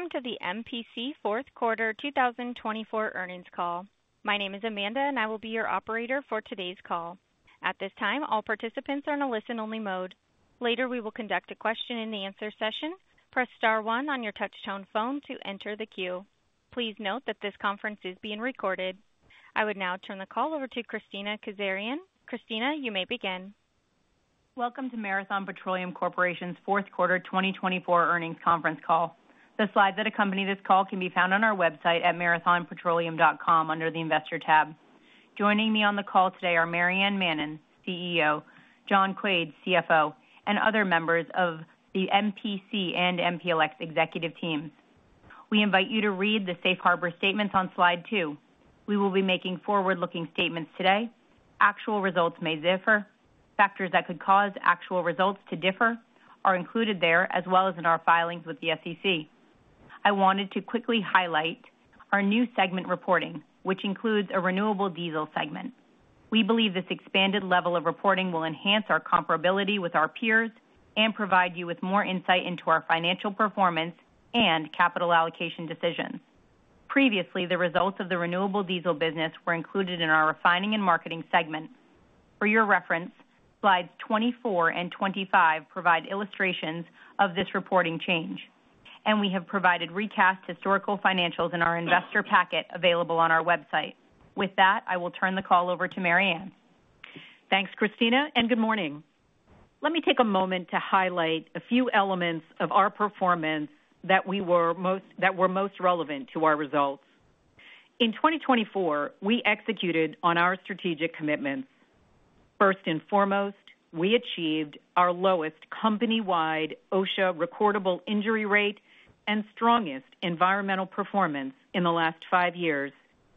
Welcome to the MPC Q4 2024 Earnings Call. My name is Amanda, and I will be your operator for today's call. At this time, all participants are in a listen-only mode. Later, we will conduct a question-and-answer session. Press star one on your touch-tone phone to enter the queue. Please note that this conference is being recorded. I would now turn the call over to Kristina Kazarian. Kristina, you may begin. Welcome to Marathon Petroleum Corporation's Q4 2024 Earnings Conference Call. The slides that accompany this call can be found on our website at marathonpetroleum.com under the investor tab. Joining me on the call today are Maryann Mannen, CEO, John Quaid, CFO, and other members of the MPC and MPLX executive teams. We invite you to read the Safe Harbor statements on slide two. We will be making forward-looking statements today. Actual results may differ. Factors that could cause actual results to differ are included there, as well as in our filings with the SEC. I wanted to quickly highlight our new segment reporting, which includes a renewable diesel segment. We believe this expanded level of reporting will enhance our comparability with our peers and provide you with more insight into our financial performance and capital allocation decisions. Previously, the results of the renewable diesel business were included in our refining and marketing segment. For your reference, slides 24 and 25 provide illustrations of this reporting change, and we have provided recast historical financials in our investor packet available on our website. With that, I will turn the call over to Maryann. Thanks, Kristina, and good morning. Let me take a moment to highlight a few elements of our performance that were most relevant to our results. In 2024, we executed on our strategic commitments. First and foremost, we achieved our lowest company-wide OSHA recordable injury rate and strongest environmental performance in the last five years,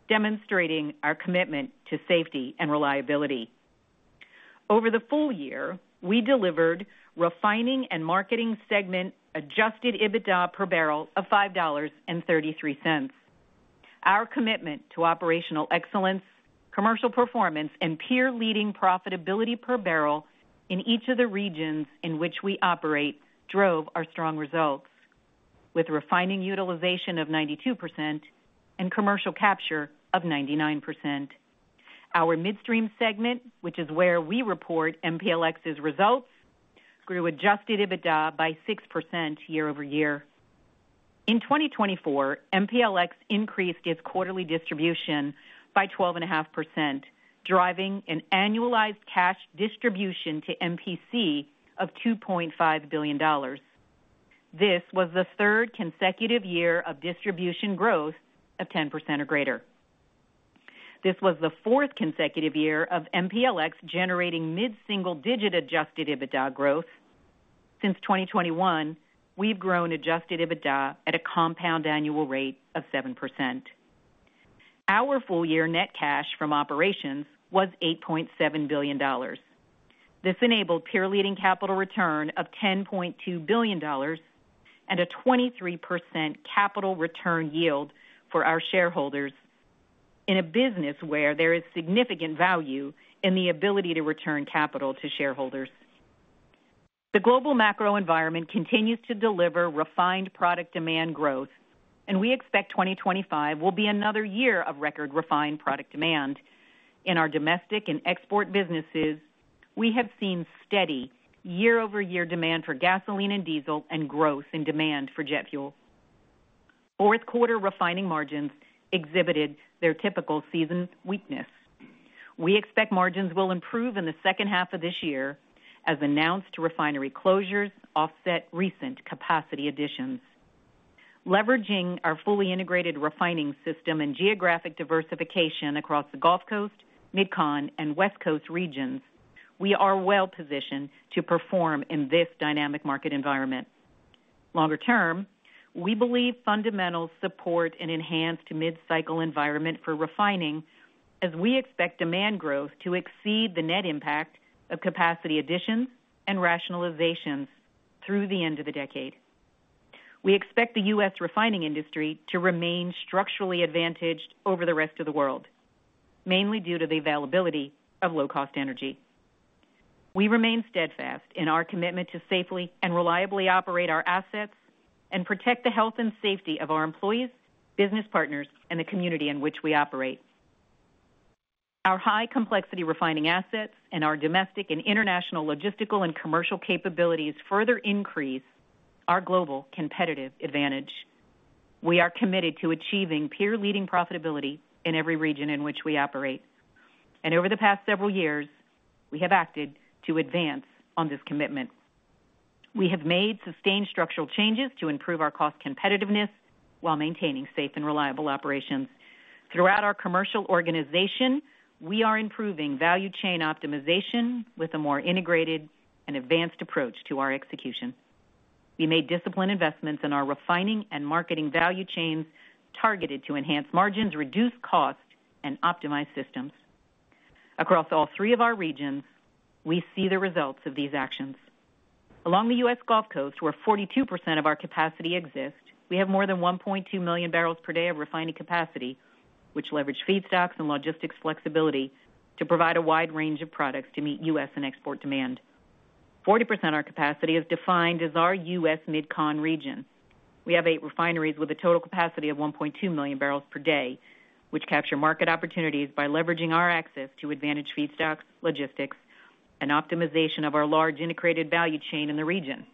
demonstrating our commitment to safety and reliability. Over the full year, we delivered refining and marketing segment adjusted EBITDA per barrel of $5.33. Our commitment to operational excellence, commercial performance, and peer-leading profitability per barrel in each of the regions in which we operate drove our strong results, with refining utilization of 92% and commercial capture of 99%. Our midstream segment, which is where we report MPLX's results, grew adjusted EBITDA by 6% year over year. In 2024, MPLX increased its quarterly distribution by 12.5%, driving an annualized cash distribution to MPC of $2.5 billion. This was the third consecutive year of distribution growth of 10% or greater. This was the fourth consecutive year of MPLX generating mid-single-digit adjusted EBITDA growth. Since 2021, we've grown adjusted EBITDA at a compound annual rate of 7%. Our full-year net cash from operations was $8.7 billion. This enabled peer-leading capital return of $10.2 billion and a 23% capital return yield for our shareholders in a business where there is significant value in the ability to return capital to shareholders. The global macro environment continues to deliver refined product demand growth, and we expect 2025 will be another year of record refined product demand. In our domestic and export businesses, we have seen steady year-over-year demand for gasoline and diesel and growth in demand for jet fuel.Q4 refining margins exhibited their typical seasonal weakness. We expect margins will improve in the second half of this year as announced refinery closures offset recent capacity additions. Leveraging our fully integrated refining system and geographic diversification across the Gulf Coast, Mid-Con, and West Coast regions, we are well-positioned to perform in this dynamic market environment. Longer term, we believe fundamentals support an enhanced mid-cycle environment for refining as we expect demand growth to exceed the net impact of capacity additions and rationalizations through the end of the decade. We expect the U.S. refining industry to remain structurally advantaged over the rest of the world, mainly due to the availability of low-cost energy. We remain steadfast in our commitment to safely and reliably operate our assets and protect the health and safety of our employees, business partners, and the community in which we operate. Our high-complexity refining assets and our domestic and international logistical and commercial capabilities further increase our global competitive advantage. We are committed to achieving peer-leading profitability in every region in which we operate, and over the past several years, we have acted to advance on this commitment. We have made sustained structural changes to improve our cost competitiveness while maintaining safe and reliable operations. Throughout our commercial organization, we are improving value chain optimization with a more integrated and advanced approach to our execution. We made disciplined investments in our refining and marketing value chains targeted to enhance margins, reduce cost, and optimize systems. Across all three of our regions, we see the results of these actions. Along the U.S. Gulf Coast, where 42% of our capacity exists, we have more than 1.2 million barrels per day of refining capacity, which leverage feedstocks and logistics flexibility to provide a wide range of products to meet U.S. and export demand. 40% of our capacity is defined as our U.S. Mid-Con region. We have eight refineries with a total capacity of 1.2 million barrels per day, which capture market opportunities by leveraging our access to advantaged feedstocks, logistics, and optimization of our large integrated value chain in the region.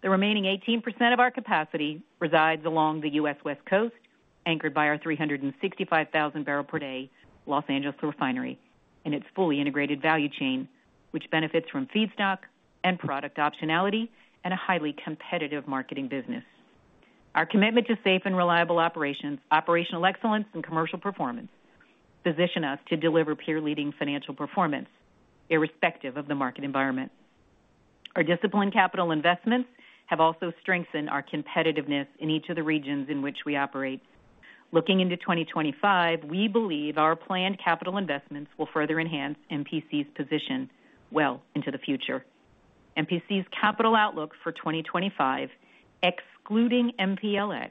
The remaining 18% of our capacity resides along the U.S. West Coast, anchored by our 365,000-barrel-per-day Los Angeles refinery and its fully integrated value chain, which benefits from feedstock and product optionality and a highly competitive marketing business. Our commitment to safe and reliable operations, operational excellence, and commercial performance position us to deliver peer-leading financial performance irrespective of the market environment. Our disciplined capital investments have also strengthened our competitiveness in each of the regions in which we operate. Looking into 2025, we believe our planned capital investments will further enhance MPC's position well into the future. MPC's capital outlook for 2025, excluding MPLX,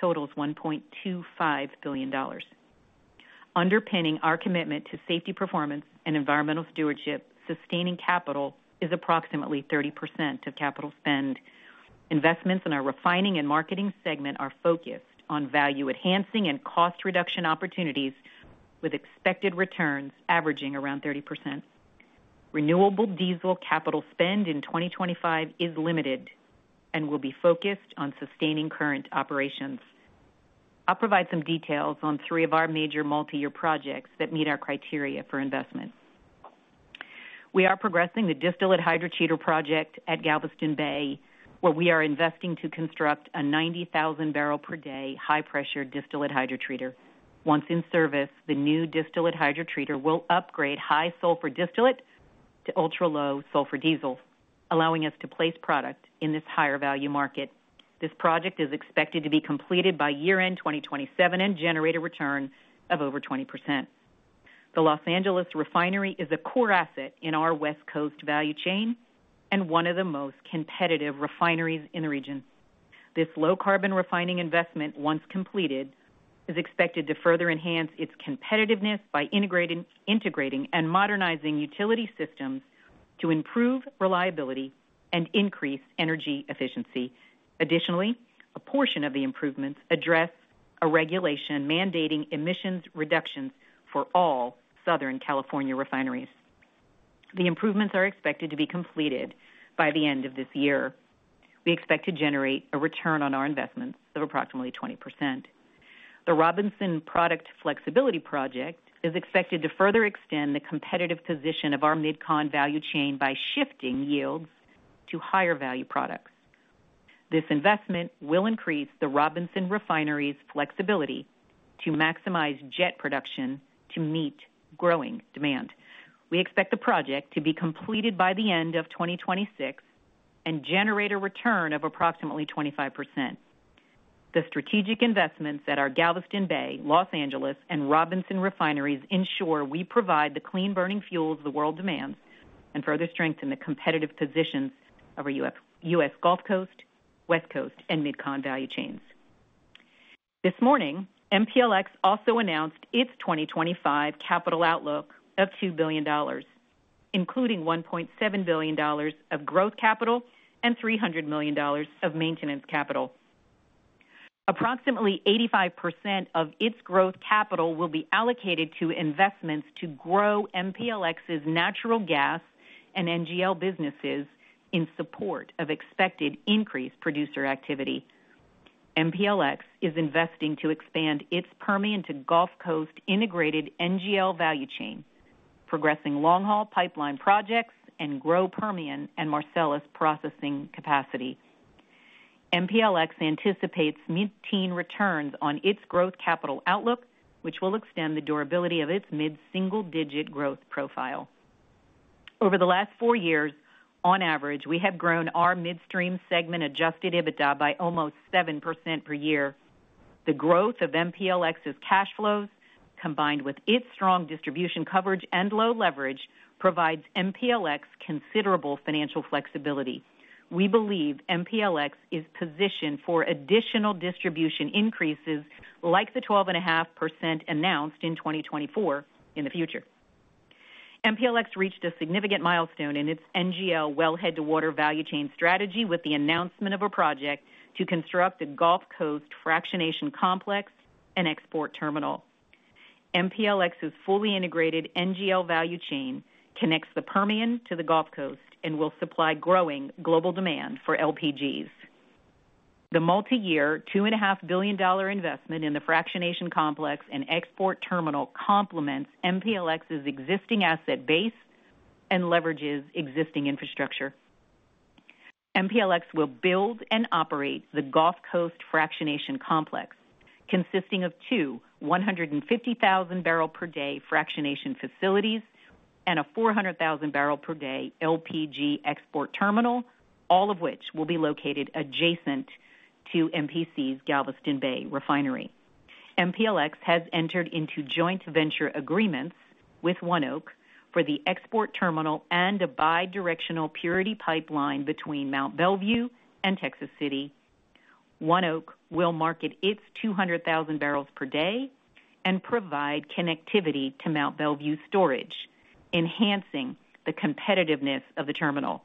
totals $1.25 billion. Underpinning our commitment to safety performance and environmental stewardship, sustaining capital is approximately 30% of capital spend. Investments in our refining and marketing segment are focused on value-enhancing and cost-reduction opportunities, with expected returns averaging around 30%. Renewable diesel capital spend in 2025 is limited and will be focused on sustaining current operations. I'll provide some details on three of our major multi-year projects that meet our criteria for investment. We are progressing the distillate hydrotreater project at Galveston Bay, where we are investing to construct a 90,000 barrel-per-day high-pressure distillate hydrotreater. Once in service, the new distillate hydrotreater will upgrade high sulfur distillate to ultra-low sulfur diesel, allowing us to place product in this higher-value market. This project is expected to be completed by year-end 2027 and generate a return of over 20%. The Los Angeles refinery is a core asset in our West Coast value chain and one of the most competitive refineries in the region. This low-carbon refining investment, once completed, is expected to further enhance its competitiveness by integrating and modernizing utility systems to improve reliability and increase energy efficiency. Additionally, a portion of the improvements address a regulation mandating emissions reductions for all Southern California refineries. The improvements are expected to be completed by the end of this year. We expect to generate a return on our investments of approximately 20%. The Robinson Product Flexibility Project is expected to further extend the competitive position of our Midcon value chain by shifting yields to higher-value products. This investment will increase the Robinson refineries' flexibility to maximize jet production to meet growing demand. We expect the project to be completed by the end of 2026 and generate a return of approximately 25%. The strategic investments at our Galveston Bay, Los Angeles, and Robinson refineries ensure we provide the clean burning fuels the world demands and further strengthen the competitive positions of our U.S. Gulf Coast, West Coast, and Midcon value chains. This morning, MPLX also announced its 2025 capital outlook of $2 billion, including $1.7 billion of growth capital and $300 million of maintenance capital. Approximately 85% of its growth capital will be allocated to investments to grow MPLX's natural gas and NGL businesses in support of expected increased producer activity. MPLX is investing to expand its Permian to Gulf Coast integrated NGL value chain, progressing long-haul pipeline projects, and grow Permian and Marcellus processing capacity. MPLX anticipates mid-teen returns on its growth capital outlook, which will extend the durability of its mid-single-digit growth profile. Over the last four years, on average, we have grown our midstream segment adjusted EBITDA by almost 7% per year. The growth of MPLX's cash flows, combined with its strong distribution coverage and low leverage, provides MPLX considerable financial flexibility. We believe MPLX is positioned for additional distribution increases like the 12.5% announced in 2024 in the future. MPLX reached a significant milestone in its NGL wellhead-to-water value chain strategy with the announcement of a project to construct a Gulf Coast fractionation complex and export terminal. MPLX's fully integrated NGL value chain connects the Permian to the Gulf Coast and will supply growing global demand for LPGs. The multi-year $2.5 billion investment in the fractionation complex and export terminal complements MPLX's existing asset base and leverages existing infrastructure. MPLX will build and operate the Gulf Coast fractionation complex, consisting of two 150,000-barrel-per-day fractionation facilities and a 400,000-barrel-per-day LPG export terminal, all of which will be located adjacent to MPC's Galveston Bay refinery. MPLX has entered into joint venture agreements with ONEOK for the export terminal and a bidirectional purity pipeline between Mont Belvieu and Texas City. ONEOK will market its 200,000 barrels per day and provide connectivity to Mont Belvieu storage, enhancing the competitiveness of the terminal.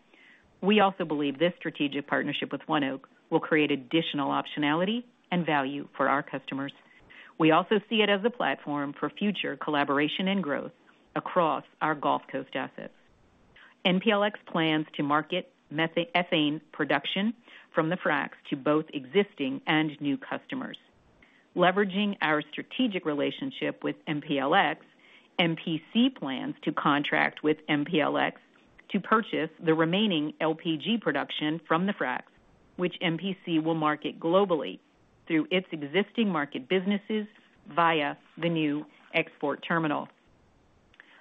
We also believe this strategic partnership with ONEOK will create additional optionality and value for our customers. We also see it as a platform for future collaboration and growth across our Gulf Coast assets. MPLX plans to market ethane production from the fracs to both existing and new customers. Leveraging our strategic relationship with MPLX, MPC plans to contract with MPLX to purchase the remaining LPG production from the fracs, which MPC will market globally through its existing marketing businesses via the new export terminal.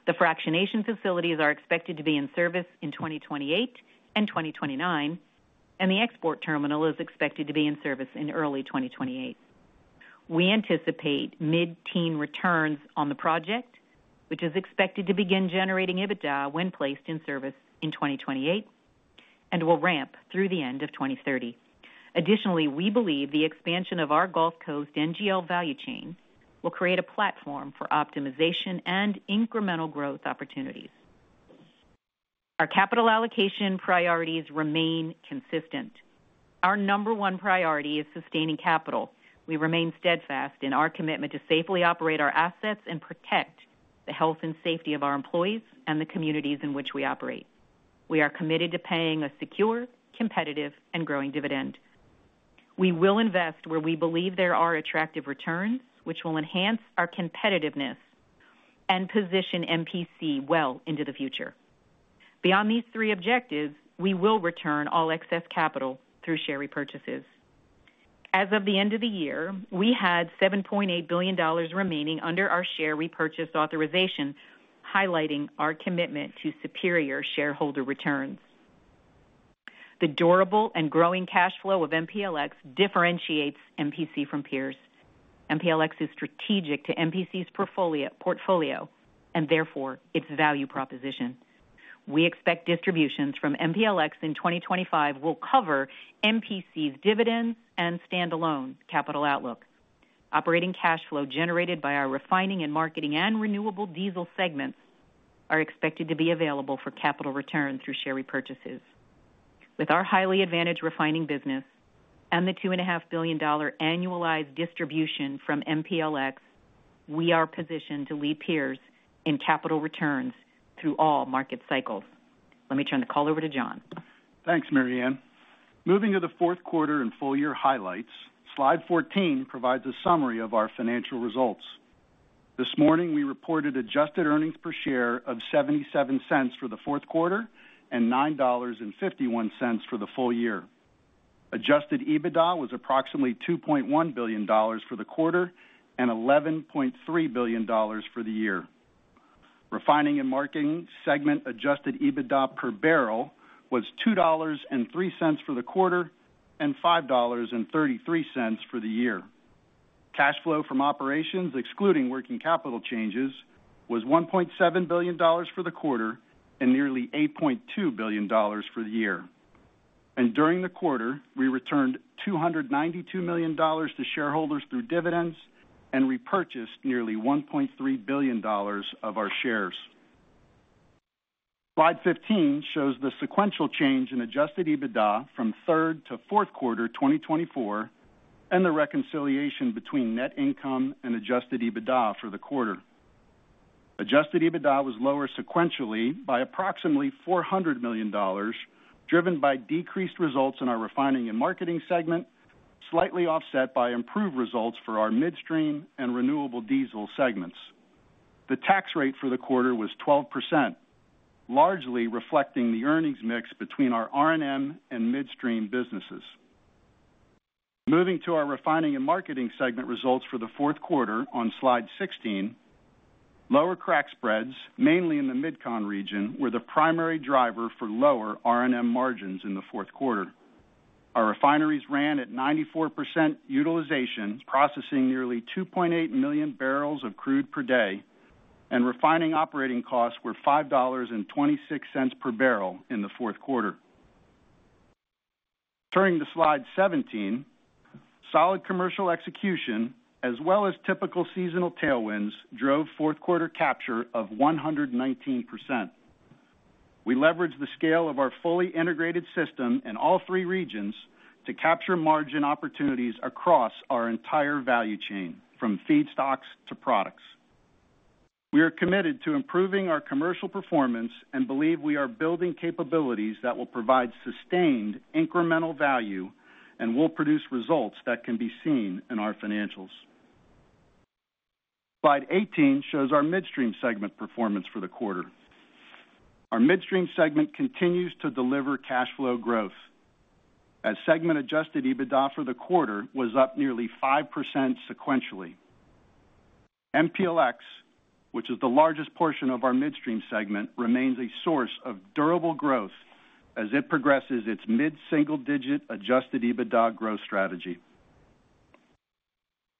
The fractionation facilities are expected to be in service in 2028 and 2029, and the export terminal is expected to be in service in early 2028. We anticipate mid-teen returns on the project, which is expected to begin generating EBITDA when placed in service in 2028 and will ramp through the end of 2030. Additionally, we believe the expansion of our Gulf Coast NGL value chain will create a platform for optimization and incremental growth opportunities. Our capital allocation priorities remain consistent. Our number one priority is sustaining capital. We remain steadfast in our commitment to safely operate our assets and protect the health and safety of our employees and the communities in which we operate. We are committed to paying a secure, competitive, and growing dividend. We will invest where we believe there are attractive returns, which will enhance our competitiveness and position MPC well into the future. Beyond these three objectives, we will return all excess capital through share repurchases. As of the end of the year, we had $7.8 billion remaining under our share repurchase authorization, highlighting our commitment to superior shareholder returns. The durable and growing cash flow of MPLX differentiates MPC from peers. MPLX is strategic to MPC's portfolio and therefore its value proposition. We expect distributions from MPLX in 2025 will cover MPC's dividends and standalone capital outlook. Operating cash flow generated by our refining and marketing and renewable diesel segments are expected to be available for capital returns through share repurchases. With our highly advantaged refining business and the $2.5 billion annualized distribution from MPLX, we are positioned to lead peers in capital returns through all market cycles. Let me turn the call over to John. Thanks, Maryann. Moving to the Q4 and full-year highlights, slide 14 provides a summary of our financial results. This morning, we reported adjusted earnings per share of $0.77 for the Q4 and $9.51 for the full year. Adjusted EBITDA was approximately $2.1 billion for the quarter and $11.3 billion for the year. Refining and marketing segment adjusted EBITDA per barrel was $2.03 for the quarter and $5.33 for the year. Cash flow from operations, excluding working capital changes, was $1.7 billion for the quarter and nearly $8.2 billion for the year. During the quarter, we returned $292 million to shareholders through dividends and repurchased nearly $1.3 billion of our shares. Slide 15 shows the sequential change in adjusted EBITDA from Q3 to Q4 2024 and the reconciliation between net income and adjusted EBITDA for the quarter. Adjusted EBITDA was lower sequentially by approximately $400 million, driven by decreased results in our refining and marketing segment, slightly offset by improved results for our midstream and renewable diesel segments. The tax rate for the quarter was 12%, largely reflecting the earnings mix between our R&M and midstream businesses. Moving to our refining and marketing segment results for the Q4 on slide 16, lower crack spreads, mainly in the Midcon region, were the primary driver for lower R&M margins in the Q4. Our refineries ran at 94% utilization, processing nearly 2.8 million barrels of crude per day, and refining operating costs were $5.26 per barrel in the Q4. Turning to slide 17, solid commercial execution, as well as typical seasonal tailwinds, drove Q4 capture of 119%. We leveraged the scale of our fully integrated system in all three regions to capture margin opportunities across our entire value chain, from feedstocks to products. We are committed to improving our commercial performance and believe we are building capabilities that will provide sustained incremental value and will produce results that can be seen in our financials. Slide 18 shows our midstream segment performance for the quarter. Our midstream segment continues to deliver cash flow growth, as segment adjusted EBITDA for the quarter was up nearly 5% sequentially. MPLX, which is the largest portion of our midstream segment, remains a source of durable growth as it progresses its mid-single-digit adjusted EBITDA growth strategy.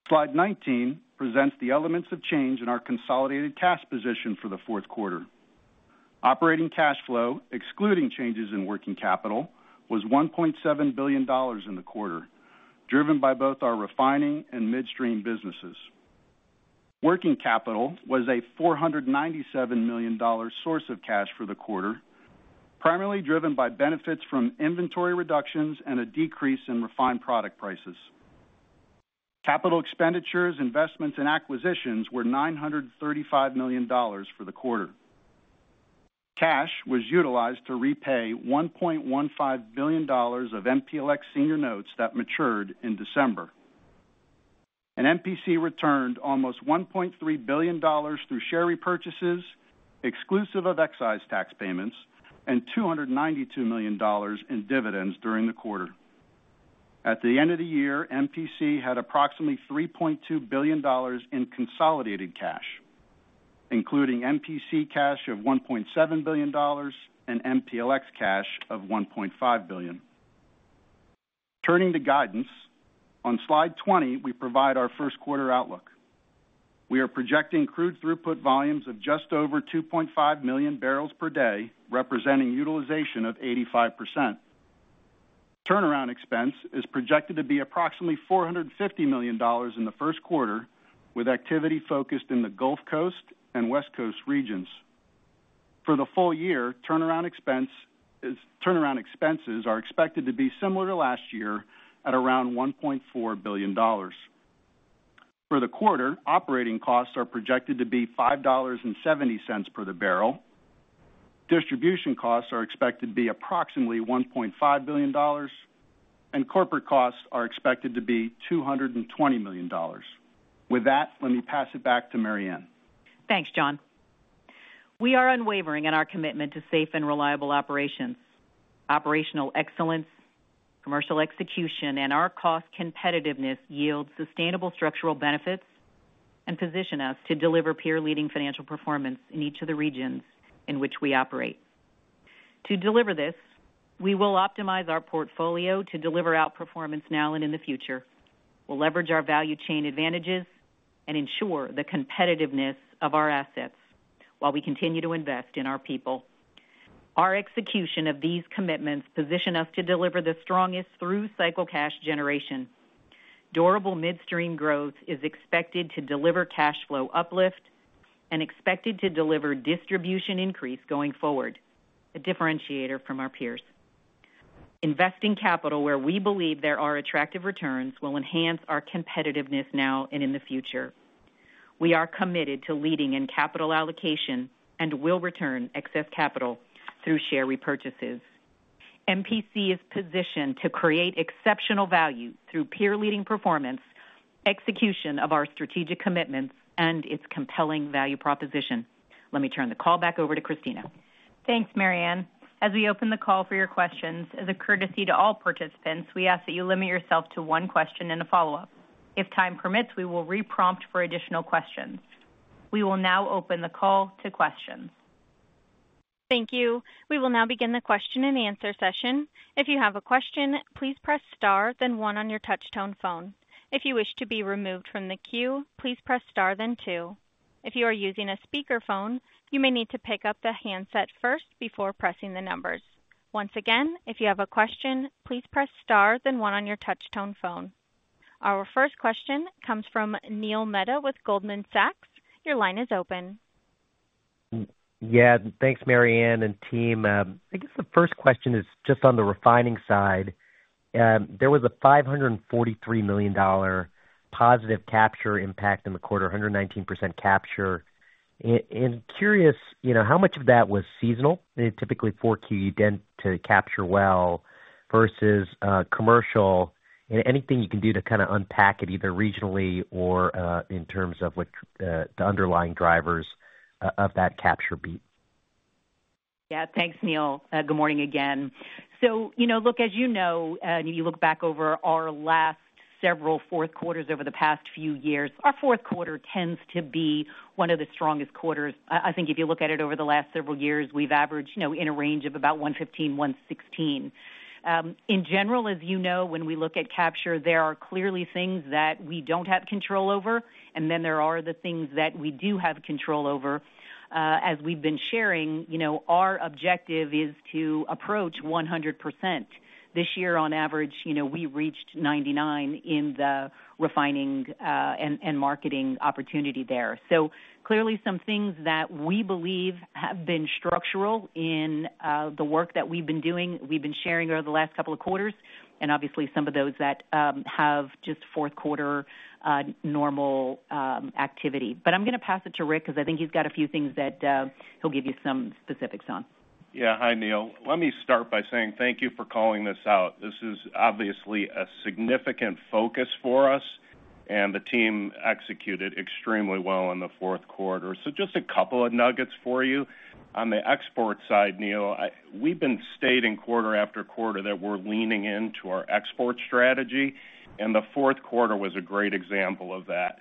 Slide 19 presents the elements of change in our consolidated cash position for the Q4. Operating cash flow, excluding changes in working capital, was $1.7 billion in the quarter, driven by both our refining and midstream businesses. Working capital was a $497 million source of cash for the quarter, primarily driven by benefits from inventory reductions and a decrease in refined product prices. Capital expenditures, investments, and acquisitions were $935 million for the quarter. Cash was utilized to repay $1.15 billion of MPLX senior notes that matured in December. MPC returned almost $1.3 billion through share repurchases, exclusive of excise tax payments, and $292 million in dividends during the quarter. At the end of the year, MPC had approximately $3.2 billion in consolidated cash, including MPC cash of $1.7 billion and MPLX cash of $1.5 billion. Turning to guidance, on slide 20, we provide our Q1 outlook. We are projecting crude throughput volumes of just over 2.5 million barrels per day, representing utilization of 85%. Turnaround expense is projected to be approximately $450 million in the Q1, with activity focused in the Gulf Coast and West Coast regions. For the full year, turnaround expenses are expected to be similar to last year at around $1.4 billion. For the quarter, operating costs are projected to be $5.70 per barrel. Distribution costs are expected to be approximately $1.5 billion, and corporate costs are expected to be $220 million. With that, let me pass it back to Maryann. Thanks, John. We are unwavering in our commitment to safe and reliable operations. Operational excellence, commercial execution, and our cost competitiveness yield sustainable structural benefits and position us to deliver peer-leading financial performance in each of the regions in which we operate. To deliver this, we will optimize our portfolio to deliver outperformance now and in the future. We'll leverage our value chain advantages and ensure the competitiveness of our assets while we continue to invest in our people. Our execution of these commitments positions us to deliver the strongest through cycle cash generation. Durable midstream growth is expected to deliver cash flow uplift and expected to deliver distribution increase going forward, a differentiator from our peers. Investing capital where we believe there are attractive returns will enhance our competitiveness now and in the future. We are committed to leading in capital allocation and will return excess capital through share repurchases. MPC is positioned to create exceptional value through peer-leading performance, execution of our strategic commitments, and its compelling value proposition. Let me turn the call back over to Kristina. Thanks, Maryann. As we open the call for your questions, as a courtesy to all participants, we ask that you limit yourself to one question and a follow-up. If time permits, we will reprompt for additional questions. We will now open the call to questions. Thank you. We will now begin the question and answer session. If you have a question, please press star, then one on your touch-tone phone. If you wish to be removed from the queue, please press star, then two. If you are using a speakerphone, you may need to pick up the handset first before pressing the numbers. Once again, if you have a question, please press star, then one on your touch-tone phone. Our first question comes from Neil Mehta with Goldman Sachs. Your line is open. Yeah, thanks, Maryann and team. I guess the first question is just on the refining side. There was a $543 million positive capture impact in the quarter, 119% capture. And curious, how much of that was seasonal? Typically, Q4 you tend to capture well versus commercial. And anything you can do to kind of unpack it either regionally or in terms of the underlying drivers of that capture beat? Yeah, thanks, Neil. Good morning again. So, look, as you know, and if you look back over our last several Q4s over the past few years, our Q4 tends to be one of the strongest quarters. I think if you look at it over the last several years, we've averaged in a range of about 115 to 116. In general, as you know, when we look at capture, there are clearly things that we don't have control over, and then there are the things that we do have control over. As we've been sharing, our objective is to approach 100%. This year, on average, we reached 99% in the refining and marketing opportunity there. So, clearly, some things that we believe have been structural in the work that we've been doing, we've been sharing over the last couple of quarters, and obviously, some of those that have just Q4 normal activity. But I'm going to pass it to Rick because I think he's got a few things that he'll give you some specifics on. Yeah, hi, Neil. Let me start by saying thank you for calling this out. This is obviously a significant focus for us, and the team executed extremely well in the Q4. So, just a couple of nuggets for you. On the export side, Neil, we've been stating quarter after quarter that we're leaning into our export strategy, and the Q4 was a great example of that.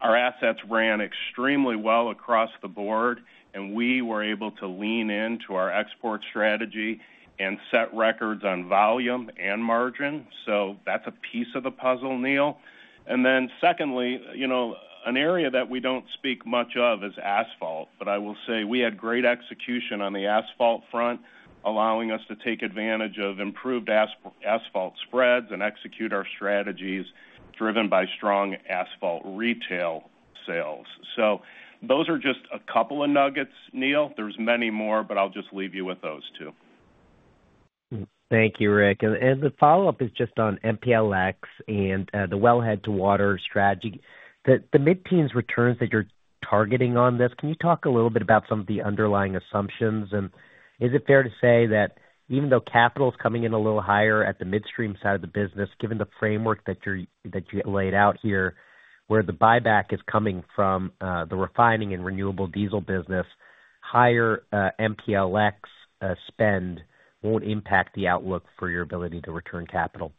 Our assets ran extremely well across the board, and we were able to lean into our export strategy and set records on volume and margin. So, that's a piece of the puzzle, Neil. And then secondly, an area that we don't speak much of is asphalt, but I will say we had great execution on the asphalt front, allowing us to take advantage of improved asphalt spreads and execute our strategies driven by strong asphalt retail sales. So, those are just a couple of nuggets, Neil. There's many more, but I'll just leave you with those two. Thank you, Rick. And the follow-up is just on MPLX and the wellhead to water strategy. The mid-teens returns that you're targeting on this, can you talk a little bit about some of the underlying assumptions? And is it fair to say that even though capital is coming in a little higher at the midstream side of the business, given the framework that you laid out here, where the buyback is coming from the refining and renewable diesel business, higher MPLX spend won't impact the outlook for your ability to return capital?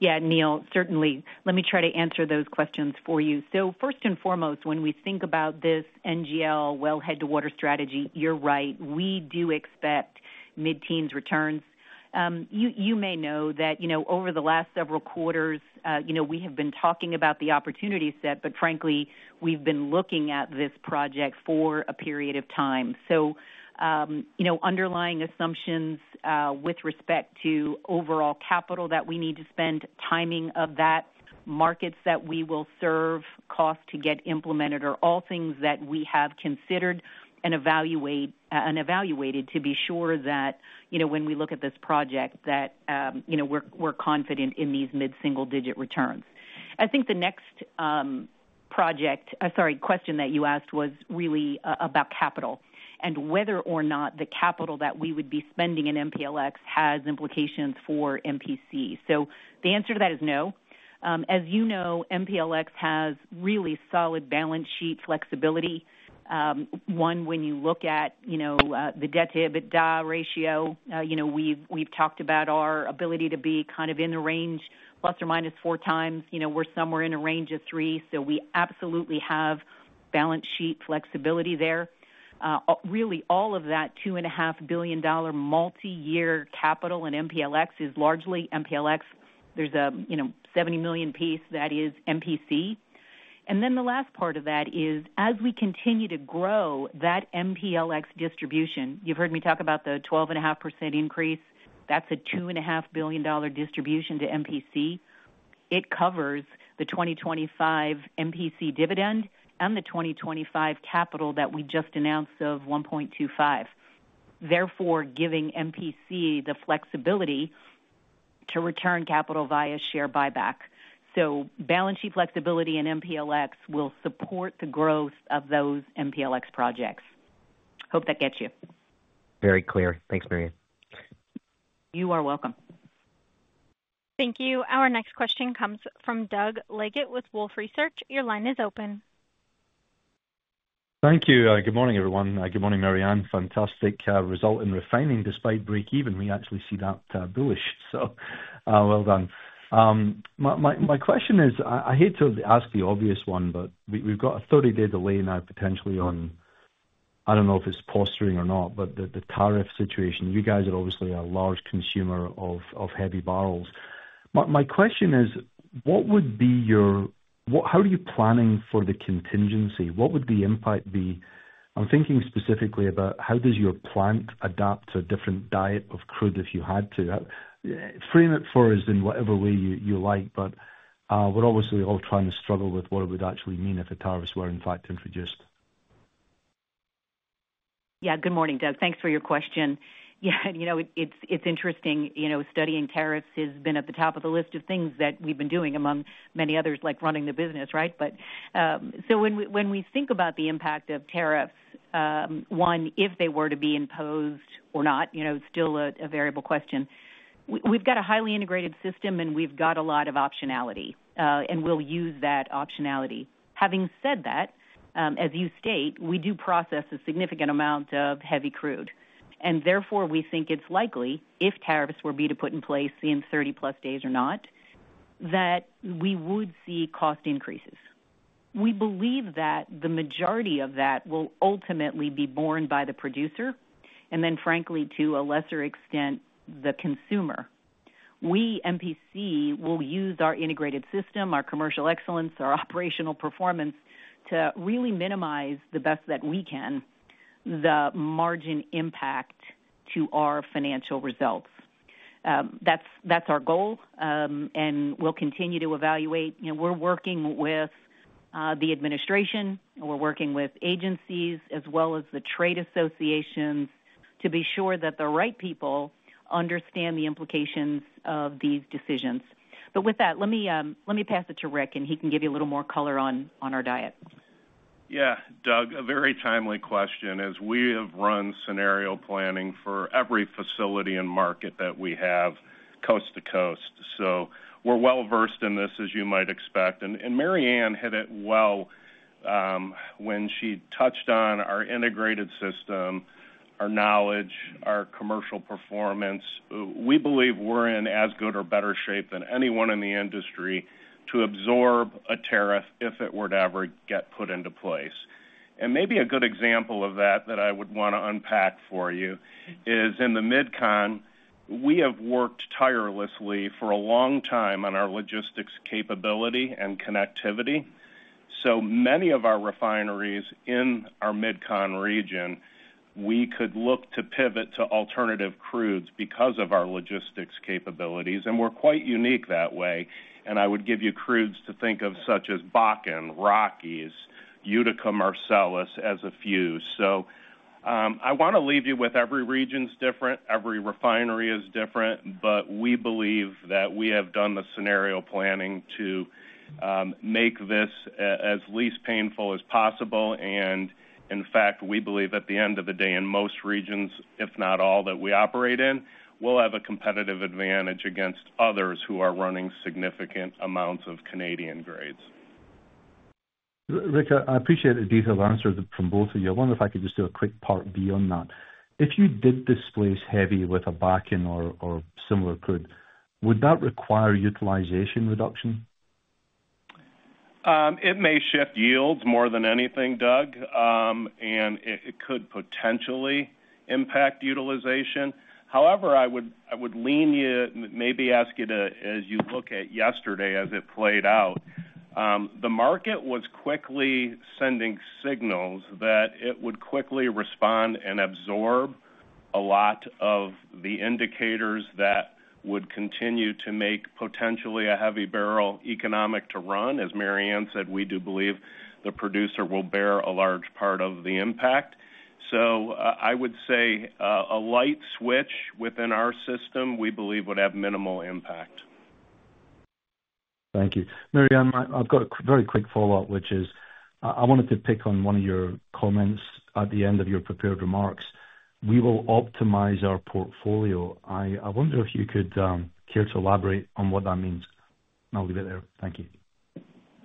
Yeah, Neil, certainly. Let me try to answer those questions for you. So, first and foremost, when we think about this NGL wellhead to water strategy, you're right, we do expect mid-teens returns. You may know that over the last several quarters, we have been talking about the opportunity set, but frankly, we've been looking at this project for a period of time. So, underlying assumptions with respect to overall capital that we need to spend, timing of that, markets that we will serve, costs to get implemented are all things that we have considered and evaluated to be sure that when we look at this project, that we're confident in these mid-single-digit returns. I think the next project, sorry, question that you asked was really about capital and whether or not the capital that we would be spending in MPLX has implications for MPC. So, the answer to that is no. As you know, MPLX has really solid balance sheet flexibility. One, when you look at the debt-to-equity ratio, we've talked about our ability to be kind of in the range plus or minus four times. We're somewhere in a range of three, so we absolutely have balance sheet flexibility there. Really, all of that $2.5 billion multi-year capital in MPLX is largely MPLX. There's a $70 million piece that is MPC. And then the last part of that is, as we continue to grow that MPLX distribution, you've heard me talk about the 12.5% increase, that's a $2.5 billion distribution to MPC. It covers the 2025 MPC dividend and the 2025 capital that we just announced of $1.25 billion, therefore giving MPC the flexibility to return capital via share buyback. So, balance sheet flexibility in MPLX will support the growth of those MPLX projects. Hope that gets you. Very clear. Thanks, Maryann. You are welcome. Thank you. Our next question comes from Doug Leggett with Wolfe Research. Your line is open. Thank you. Good morning, everyone. Good morning, Maryann. Fantastic result in refining despite break-even. We actually see that bullish. So, well done. My question is, I hate to ask the obvious one, but we've got a 30-day delay now, potentially on. I don't know if it's posturing or not, but the tariff situation. You guys are obviously a large consumer of heavy barrels. My question is, what would be your, how are you planning for the contingency? What would the impact be? I'm thinking specifically about how does your plant adapt to a different diet of crude if you had to? Frame it for us in whatever way you like, but we're obviously all trying to struggle with what it would actually mean if the tariffs were, in fact, introduced. Yeah, good morning, Doug. Thanks for your question. Yeah, it's interesting. Studying tariffs has been at the top of the list of things that we've been doing, among many others, like running the business, right, but so when we think about the impact of tariffs, one, if they were to be imposed or not, still a variable question. We've got a highly integrated system, and we've got a lot of optionality, and we'll use that optionality. Having said that, as you state, we do process a significant amount of heavy crude, and therefore we think it's likely, if tariffs were to be put in place in 30-plus days or not, that we would see cost increases. We believe that the majority of that will ultimately be borne by the producer, and then, frankly, to a lesser extent, the consumer. We, MPC, will use our integrated system, our commercial excellence, our operational performance to really minimize as best we can the margin impact to our financial results. That's our goal, and we'll continue to evaluate. We're working with the administration. We're working with agencies as well as the trade associations to be sure that the right people understand the implications of these decisions. But with that, let me pass it to Rick, and he can give you a little more color on our outlook. Yeah, Doug, a very timely question. As we have run scenario planning for every facility and market that we have, coast to coast. So, we're well versed in this, as you might expect. Maryann hit it well when she touched on our integrated system, our knowledge, our commercial performance. We believe we're in as good or better shape than anyone in the industry to absorb a tariff if it were to ever get put into place, and maybe a good example of that that I would want to unpack for you is, in the mid-con, we have worked tirelessly for a long time on our logistics capability and connectivity, so many of our refineries in our mid-con region, we could look to pivot to alternative crudes because of our logistics capabilities, and we're quite unique that way, and I would give you crudes to think of, such as Bakken, Rockies, Utica, Marcellus, as a few, so I want to leave you with every region's different. Every refinery is different, but we believe that we have done the scenario planning to make this as least painful as possible. In fact, we believe at the end of the day, in most regions, if not all that we operate in, we'll have a competitive advantage against others who are running significant amounts of Canadian grades. Rick, I appreciate the detailed answer from both of you. I wonder if I could just do a quick part beyond that. If you did displace heavy with a Bakken or similar crude, would that require utilization reduction? It may shift yields more than anything, Doug, and it could potentially impact utilization. However, I would lean you, maybe ask you to, as you look at yesterday as it played out. The market was quickly sending signals that it would quickly respond and absorb a lot of the indicators that would continue to make potentially a heavy barrel economic to run. As Maryann said, we do believe the producer will bear a large part of the impact. So, I would say a light switch within our system, we believe, would have minimal impact. Thank you. Maryann, I've got a very quick follow-up, which is I wanted to pick on one of your comments at the end of your prepared remarks. We will optimize our portfolio. I wonder if you could care to elaborate on what that means. I'll leave it there. Thank you.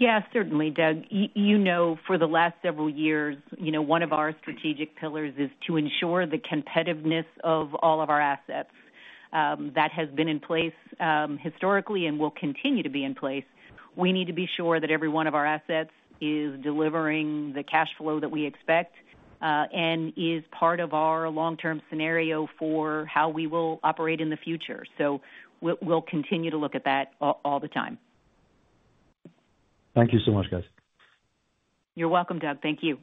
Yeah, certainly, Doug. You know, for the last several years, one of our strategic pillars is to ensure the competitiveness of all of our assets. That has been in place historically and will continue to be in place. We need to be sure that every one of our assets is delivering the cash flow that we expect and is part of our long-term scenario for how we will operate in the future. So, we'll continue to look at that all the time. Thank you so much, guys. You're welcome, Doug. Thank you.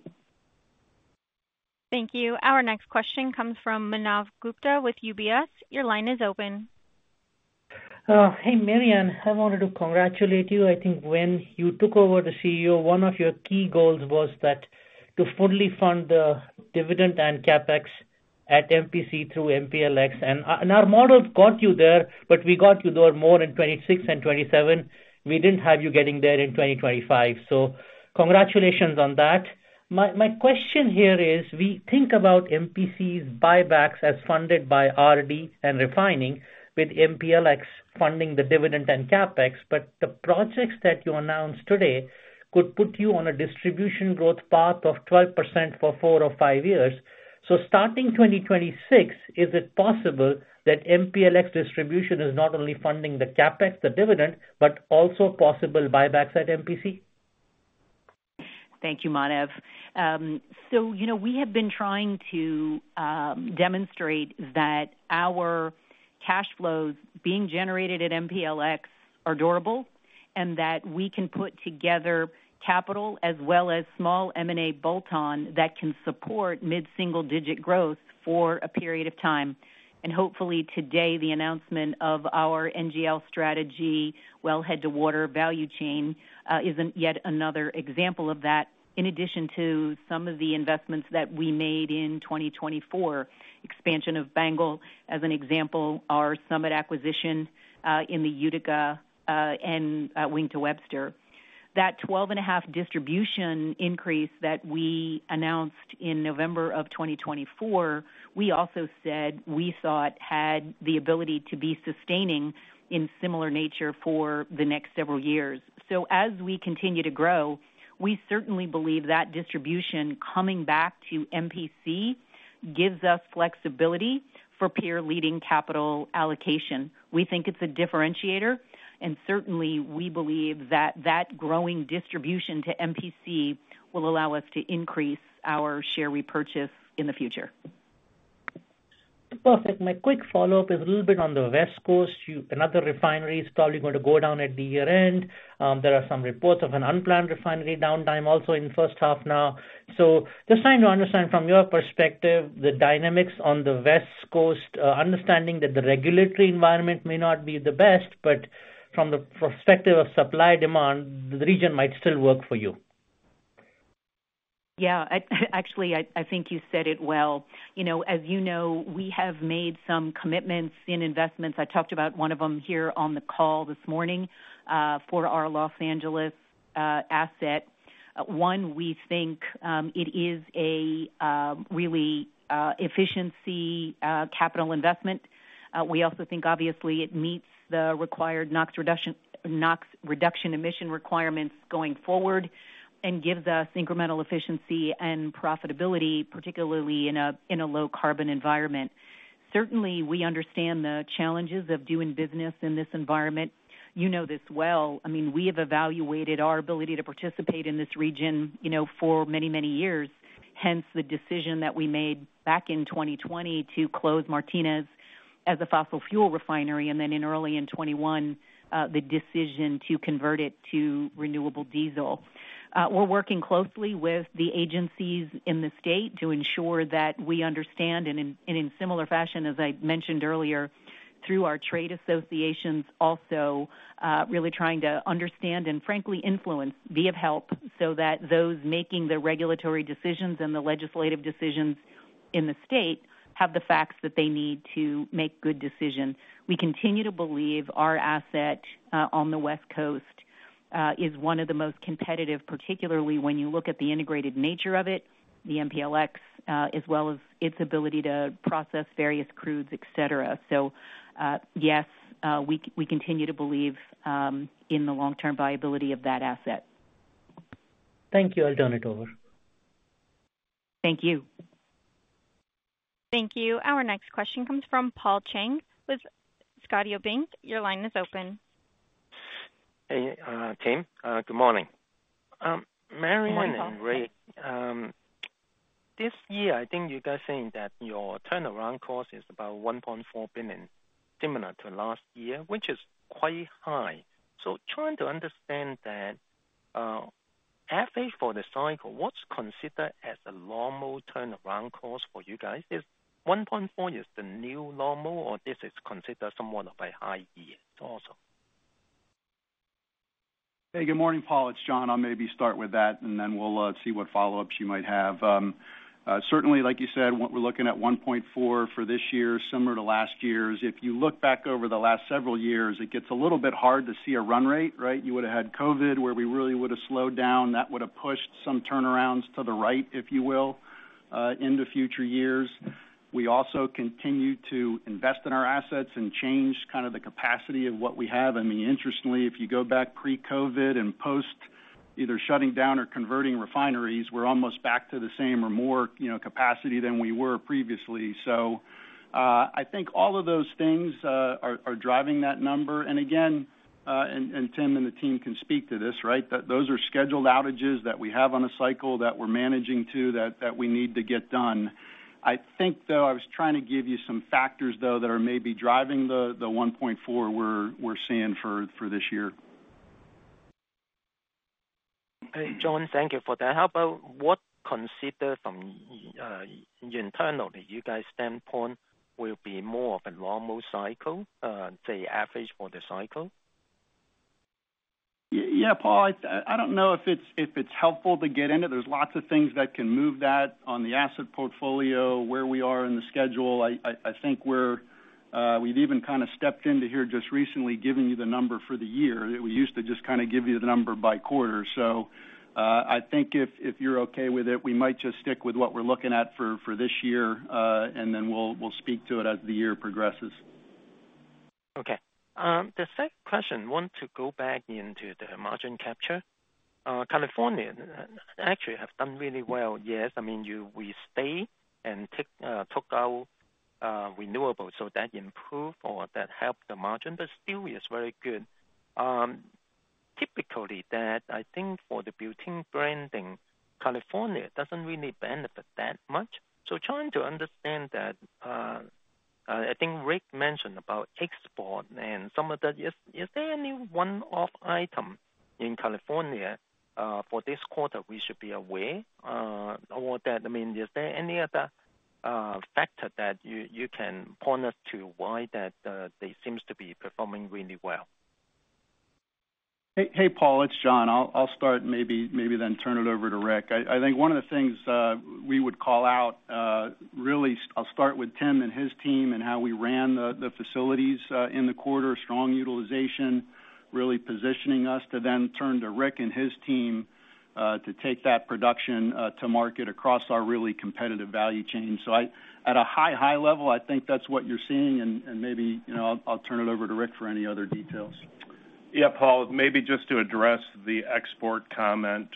Thank you. Our next question comes from Manav Gupta with UBS. Your line is open. Hey, Maryann, I wanted to congratulate you. I think when you took over the CEO, one of your key goals was that to fully fund the dividend and CapEx at MPC through MPLX. And our model got you there, but we got you there more in 2026 and 2027. We didn't have you getting there in 2025. So, congratulations on that. My question here is, we think about MPC's buybacks as funded by R&D and refining with MPLX funding the dividend and CapEx, but the projects that you announced today could put you on a distribution growth path of 12% for four or five years. So, starting 2026, is it possible that MPLX distribution is not only funding the CapEx, the dividend, but also possible buybacks at MPC? Thank you, Manav. We have been trying to demonstrate that our cash flows being generated at MPLX are durable and that we can put together capital as well as small M&A bolt-on that can support mid-single-digit growth for a period of time. Hopefully, today, the announcement of our NGL strategy, wellhead-to-water value chain, is yet another example of that. In addition to some of the investments that we made in 2024, expansion of BANGL as an example, our Summit acquisition in the Utica and Wink to Webster. That 12.5% distribution increase that we announced in November of 2024, we also said we thought had the ability to be sustaining in similar nature for the next several years. So, as we continue to grow, we certainly believe that distribution coming back to MPC gives us flexibility for peer-leading capital allocation. We think it's a differentiator, and certainly, we believe that that growing distribution to MPC will allow us to increase our share repurchase in the future. Perfect. My quick follow-up is a little bit on the West Coast. Another refinery is probably going to go down at the year-end. There are some reports of an unplanned refinery downtime also in the first half now. Just trying to understand from your perspective the dynamics on the West Coast, understanding that the regulatory environment may not be the best, but from the perspective of supply demand, the region might still work for you. Yeah. Actually, I think you said it well. As you know, we have made some commitments in investments. I talked about one of them here on the call this morning for our Los Angeles asset. One, we think it is a really efficiency capital investment. We also think, obviously, it meets the required NOx reduction emission requirements going forward and gives us incremental efficiency and profitability, particularly in a low-carbon environment. Certainly, we understand the challenges of doing business in this environment. You know this well. I mean, we have evaluated our ability to participate in this region for many, many years. Hence, the decision that we made back in 2020 to close Martinez as a fossil fuel refinery, and then in early 2021, the decision to convert it to renewable diesel. We're working closely with the agencies in the state to ensure that we understand, and in similar fashion, as I mentioned earlier, through our trade associations, also really trying to understand and, frankly, influence via help so that those making the regulatory decisions and the legislative decisions in the state have the facts that they need to make good decisions. We continue to believe our asset on the West Coast is one of the most competitive, particularly when you look at the integrated nature of it, the MPLX, as well as its ability to process various crudes, etc. So, yes, we continue to believe in the long-term viability of that asset. Thank you. I'll turn it over. Thank you. Thank you. Our next question comes from Paul Cheng with Scotiabank. Your line is open. Hey, Tim. Good morning. Good morning, Rick. This year, I think you guys are saying that your turnaround cost is about $1.4 billion, similar to last year, which is quite high. So, trying to understand that, at least for the cycle, what's considered as a normal turnaround cost for you guys? Is 1.4 just the new normal, or this is considered somewhat of a high year also? Hey, good morning, Paul. It's John. I'll maybe start with that, and then we'll see what follow-ups you might have. Certainly, like you said, we're looking at $1.4 billion for this year, similar to last year's. If you look back over the last several years, it gets a little bit hard to see a run rate, right? You would have had COVID where we really would have slowed down. That would have pushed some turnarounds to the right, if you will, into future years. We also continue to invest in our assets and change kind of the capacity of what we have. I mean, interestingly, if you go back pre-COVID and post either shutting down or converting refineries, we're almost back to the same or more capacity than we were previously. So, I think all of those things are driving that number. And again, and Tim and the team can speak to this, right? Those are scheduled outages that we have on a cycle that we're managing to that we need to get done. I think, though, I was trying to give you some factors, though, that are maybe driving the 1.4 we're seeing for this year. Hey, John, thank you for that. How about what's considered from your internal to you guys' standpoint will be more of a normal cycle, say, average for the cycle? Yeah, Paul, I don't know if it's helpful to get into. There's lots of things that can move that on the asset portfolio, where we are in the schedule. I think we've even kind of stepped into here just recently, giving you the number for the year. We used to just kind of give you the number by quarter. So, I think if you're okay with it, we might just stick with what we're looking at for this year, and then we'll speak to it as the year progresses. Okay. The second question, I want to go back into the margin capture. California actually has done really well. Yes, I mean, we stayed and took our renewables, so that improved or that helped the margin, but still is very good. Typically, I think for the branded, California doesn't really benefit that much. So, trying to understand that, I think Rick mentioned about export and some of that. Is there any one-off item in California for this quarter we should be aware of that? I mean, is there any other factor that you can point us to why they seem to be performing really well? Hey, Paul, it's John. I'll start, maybe then turn it over to Rick. I think one of the things we would call out, really. I'll start with Tim and his team and how we ran the facilities in the quarter, strong utilization, really positioning us to then turn to Rick and his team to take that production to market across our really competitive value chain. So, at a high, high level, I think that's what you're seeing, and maybe I'll turn it over to Rick for any other details. Yeah, Paul, maybe just to address the export comment.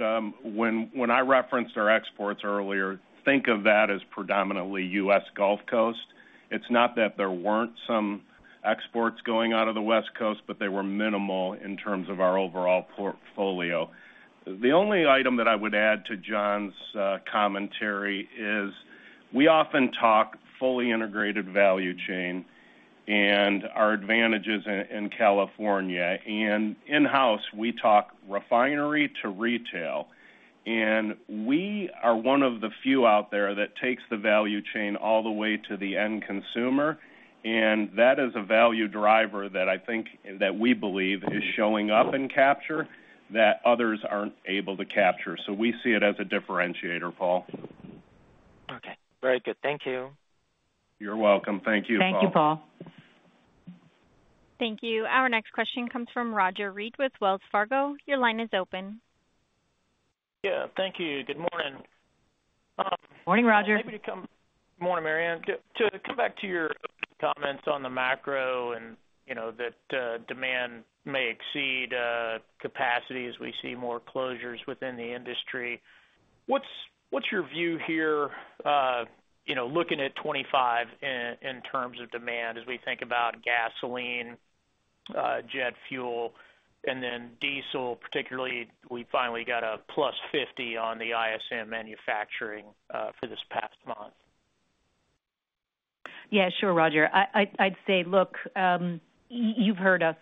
When I referenced our exports earlier, think of that as predominantly U.S. Gulf Coast. It's not that there weren't some exports going out of the West Coast, but they were minimal in terms of our overall portfolio. The only item that I would add to John's commentary is we often talk fully integrated value chain and our advantages in California. And in-house, we talk refinery to retail. And we are one of the few out there that takes the value chain all the way to the end consumer. And that is a value driver that I think that we believe is showing up in capture that others aren't able to capture. So, we see it as a differentiator, Paul. Okay. Very good. Thank you. You're welcome. Thank you, Paul. Thank you, Paul. Thank you. Our next question comes from Roger Reed with Wells Fargo. Your line is open. Yeah. Thank you. Good morning. Morning, Roger. Good morning, Maryann. To come back to your comments on the macro and that demand may exceed capacity as we see more closures within the industry, what's your view here looking at 2025 in terms of demand as we think about gasoline, jet fuel, and then diesel, particularly we finally got a plus 50 on the ISM manufacturing for this past month? Yeah, sure, Roger. I'd say, look, you've heard us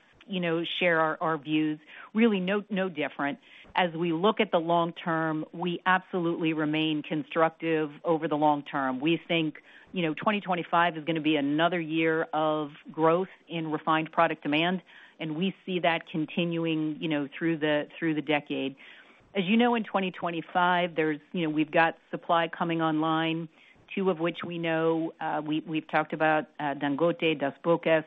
share our views. Really, no different. As we look at the long term, we absolutely remain constructive over the long term. We think 2025 is going to be another year of growth in refined product demand, and we see that continuing through the decade. As you know, in 2025, we've got supply coming online, two of which we know. We've talked about Dangote, Dos Bocas,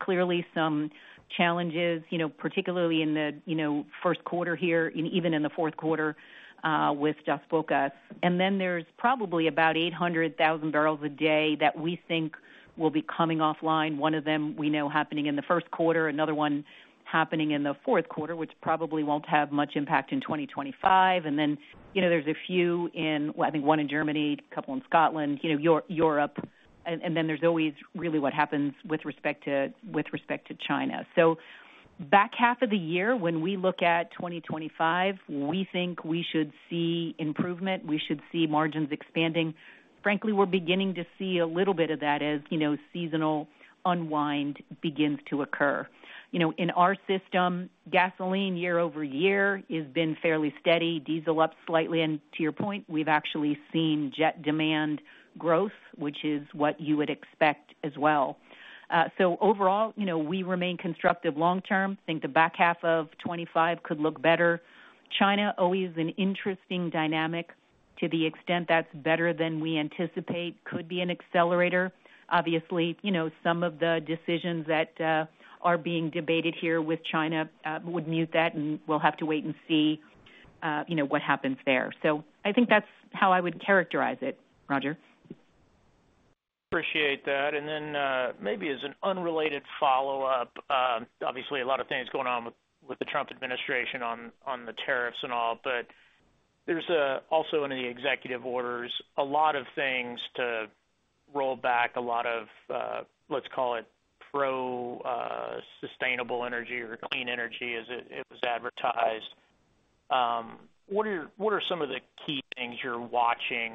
clearly some challenges, particularly in the Q1 here, even in the Q4 with Dos Bocas. And then there's probably about 800,000 barrels a day that we think will be coming offline. One of them we know happening in the Q1, another one happening in the Q4, which probably won't have much impact in 2025. And then there's a few in, I think, one in Germany, a couple in Scotland, Europe. And then there's always really what happens with respect to China. So, back half of the year, when we look at 2025, we think we should see improvement. We should see margins expanding. Frankly, we're beginning to see a little bit of that as seasonal unwind begins to occur. In our system, gasoline year over year has been fairly steady, diesel up slightly. And to your point, we've actually seen jet demand growth, which is what you would expect as well. So, overall, we remain constructive long term. I think the back half of 2025 could look better. China always an interesting dynamic to the extent that's better than we anticipate could be an accelerator. Obviously, some of the decisions that are being debated here with China would mute that, and we'll have to wait and see what happens there. So, I think that's how I would characterize it, Roger. Appreciate that. And then maybe as an unrelated follow-up, obviously, a lot of things going on with the Trump administration on the tariffs and all, but there's also in the executive orders, a lot of things to roll back, a lot of, let's call it, pro-sustainable energy or clean energy as it was advertised. What are some of the key things you're watching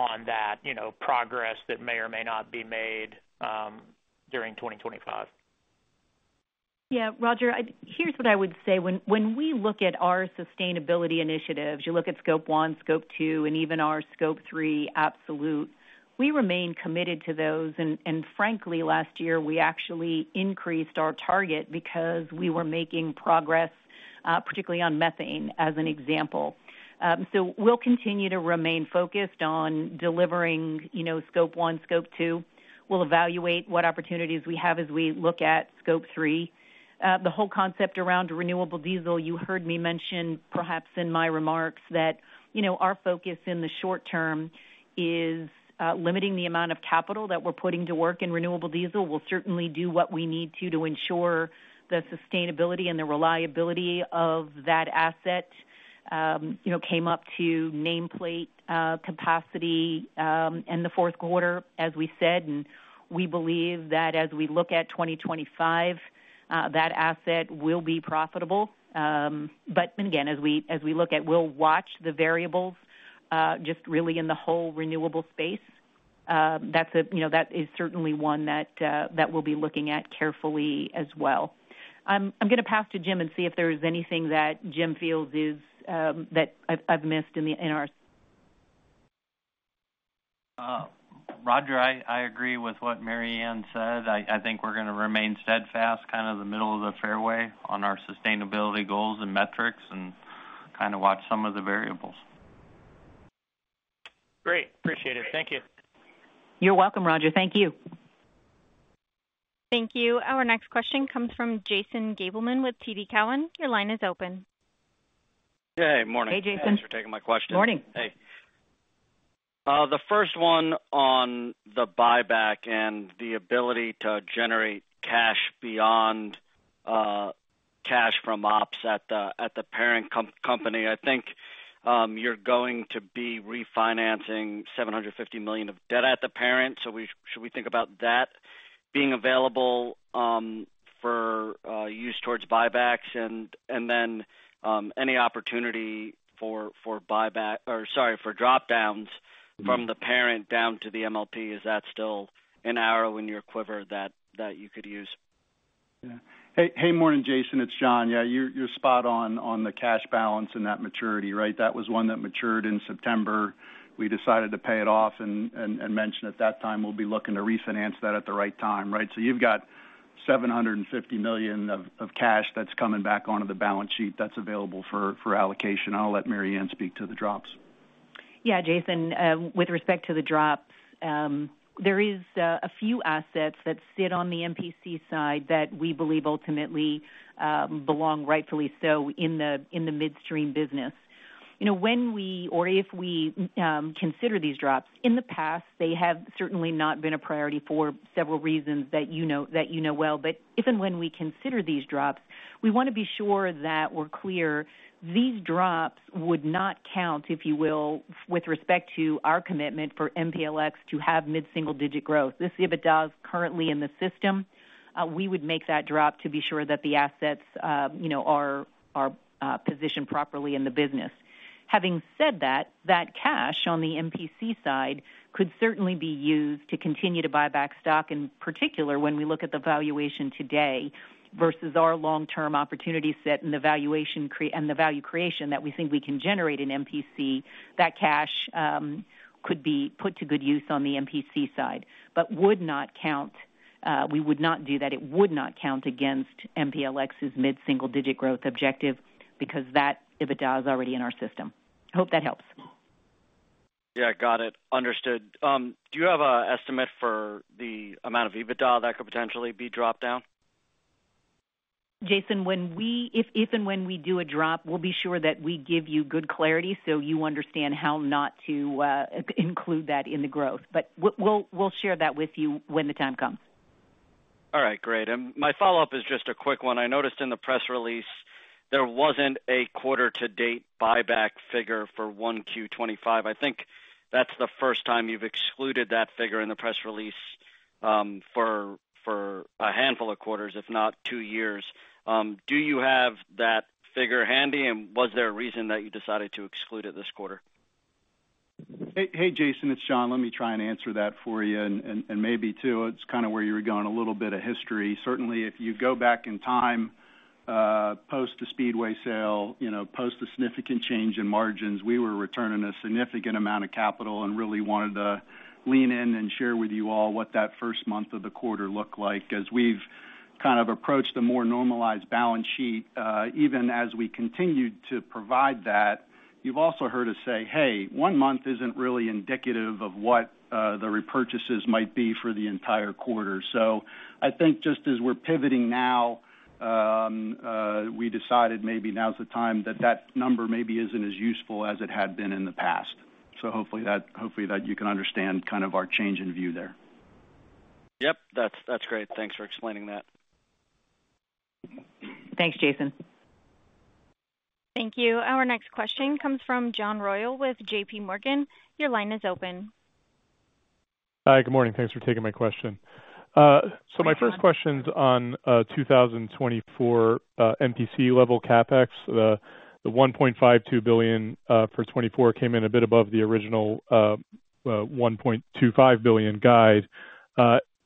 on that progress that may or may not be made during 2025? Yeah, Roger, here's what I would say. When we look at our sustainability initiatives, you look at Scope 1, Scope 2, and even our Scope 3 absolute. We remain committed to those. And frankly, last year, we actually increased our target because we were making progress, particularly on methane as an example. So, we'll continue to remain focused on delivering Scope 1, Scope 2. We'll evaluate what opportunities we have as we look at Scope 3. The whole concept around renewable diesel, you heard me mention perhaps in my remarks that our focus in the short term is limiting the amount of capital that we're putting to work in renewable diesel. We'll certainly do what we need to to ensure the sustainability and the reliability of that asset came up to nameplate capacity in the Q4, as we said. And we believe that as we look at 2025, that asset will be profitable. But again, as we look at, we'll watch the variables just really in the whole renewable space. That is certainly one that we'll be looking at carefully as well. I'm going to pass to Jim and see if there's anything that Jim feels that I've missed in our. Roger, I agree with what Maryann said. I think we're going to remain steadfast, kind of the middle of the fairway on our sustainability goals and metrics and kind of watch some of the variables. Great. Appreciate it. Thank you. You're welcome, Roger. Thank you. Thank you. Our next question comes from Jason Gabelman with TD Cowen. Your line is open. Hey, morning. Thanks for taking my question. Hey, Jason. Morning. Hey. The first one on the buyback and the ability to generate cash beyond cash from ops at the parent company. I think you're going to be refinancing $750 million of debt at the parent. So, should we think about that being available for use towards buybacks and then any opportunity for buyback or, sorry, for dropdowns from the parent down to the MLP? Yeah. Hey, morning, Jason. It's John. Yeah, you're spot on the cash balance and that maturity, right? That was one that matured in September. We decided to pay it off and mentioned at that time we'll be looking to refinance that at the right time, right? So, you've got $750 million of cash that's coming back onto the balance sheet that's available for allocation. I'll let Maryann speak to the drops. Yeah, Jason, with respect to the drops, there are a few assets that sit on the MPC side that we believe ultimately belong rightfully so in the midstream business. When we or if we consider these drops, in the past, they have certainly not been a priority for several reasons that you know well. But if and when we consider these drops, we want to be sure that we're clear these drops would not count, if you will, with respect to our commitment for MPLX to have mid-single digit growth. If it does currently in the system, we would make that drop to be sure that the assets are positioned properly in the business. Having said that, that cash on the MPC side could certainly be used to continue to buy back stock, in particular when we look at the valuation today versus our long-term opportunity set and the value creation that we think we can generate in MPC. That cash could be put to good use on the MPC side, but would not count. We would not do that. It would not count against MPLX's mid-single digit growth objective because that EBITDA is already in our system. Hope that helps. Yeah, got it. Understood. Do you have an estimate for the amount of EBITDA that could potentially be dropped down? Jason, if and when we do a drop, we'll be sure that we give you good clarity so you understand how not to include that in the growth. But we'll share that with you when the time comes. All right. Great. And my follow-up is just a quick one. I noticed in the press release there wasn't a quarter-to-date buyback figure for 1Q25. I think that's the first time you've excluded that figure in the press release for a handful of quarters, if not two years. Do you have that figure handy? And was there a reason that you decided to exclude it this quarter? Hey, Jason, it's John. Let me try and answer that for you and maybe too it's kind of where you were going a little bit of history. Certainly, if you go back in time post the Speedway sale, post the significant change in margins, we were returning a significant amount of capital and really wanted to lean in and share with you all what that first month of the quarter looked like as we've kind of approached a more normalized balance sheet. Even as we continued to provide that, you've also heard us say, "Hey, one month isn't really indicative of what the repurchases might be for the entire quarter." So, I think just as we're pivoting now, we decided maybe now's the time that that number maybe isn't as useful as it had been in the past. So, hopefully, you can understand kind of our change in view there. Yep. That's great. Thanks for explaining that. Thanks, Jason. Thank you. Our next question comes from John Royall with JPMorgan. Your line is open. Hi. Good morning. Thanks for taking my question. So, my first question's on 2024 MPC level CapEx. The $1.52 billion for 2024 came in a bit above the original $1.25 billion guide.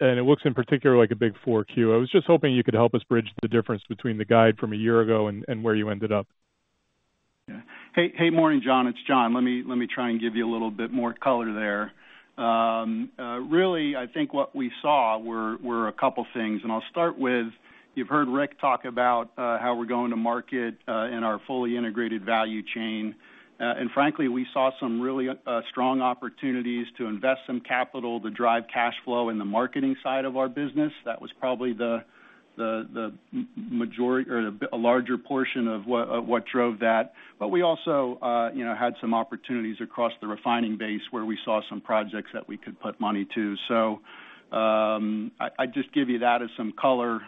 And it looks in particular like a big 4Q. I was just hoping you could help us bridge the difference between the guide from a year ago and where you ended up. Hey, morning, John. It's John. Let me try and give you a little bit more color there. Really, I think what we saw were a couple of things, and I'll start with you've heard Rick talk about how we're going to market in our fully integrated value chain, and frankly, we saw some really strong opportunities to invest some capital to drive cash flow in the marketing side of our business. That was probably the majority or a larger portion of what drove that, but we also had some opportunities across the refining base where we saw some projects that we could put money to. So, I just give you that as some color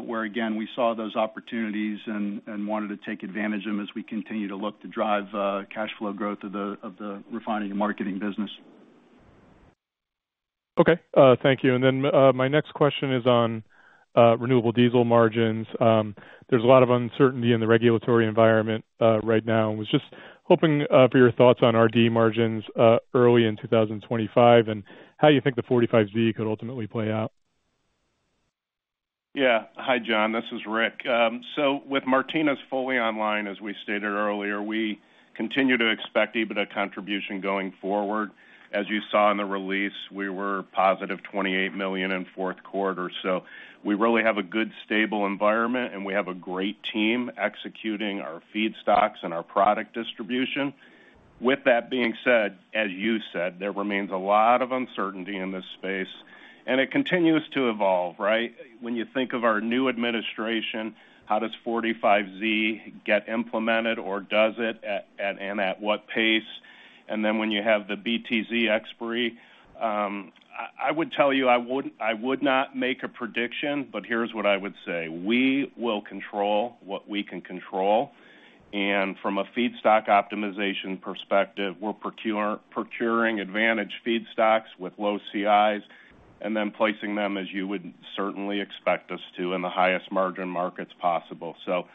where, again, we saw those opportunities and wanted to take advantage of them as we continue to look to drive cash flow growth of the refining and marketing business. Okay. Thank you. And then my next question is on renewable diesel margins. There's a lot of uncertainty in the regulatory environment right now. I was just hoping for your thoughts on RD margins early in 2025 and how you think the 45Z could ultimately play out. Yeah. Hi, John. This is Rick. So, with Martinez fully online, as we stated earlier, we continue to expect EBITDA contribution going forward. As you saw in the release, we were positive $28 million in Q4. So, we really have a good stable environment, and we have a great team executing our feedstocks and our product distribution. With that being said, as you said, there remains a lot of uncertainty in this space, and it continues to evolve, right? When you think of our new administration, how does 45Z get implemented, or does it, and at what pace? And then when you have the BTC expiry, I would tell you I would not make a prediction, but here's what I would say. We will control what we can control, and from a feedstock optimization perspective, we're procuring advantaged feedstocks with low CIs and then placing them, as you would certainly expect us to, in the highest margin markets possible. So,